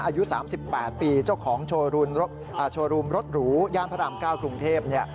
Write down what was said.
อายุ๓๘ปีเจ้าของโชว์รูมรถหรูย่านพระราม๙กรุงเทพ